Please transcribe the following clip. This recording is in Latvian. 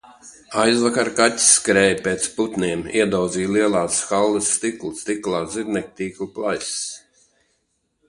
Aizvakar kaķis skrēja pēc putniem, iedauzīja lielās halles stiklu. Stiklā zirnekļtīkla plaisas.